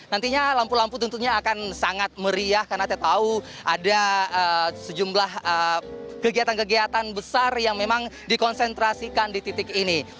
nantinya lampu lampu tentunya akan sangat meriah karena kita tahu ada sejumlah kegiatan kegiatan besar yang memang dikonsentrasikan di titik ini